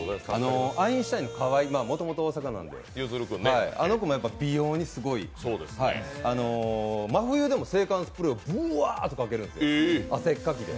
アインシュタインの河井、もともと大阪なんで、あの子も美容にすごい真冬でも制汗スプレーをぶわーっとかけるんですよ、汗っかきで。